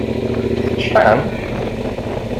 Teččḥem?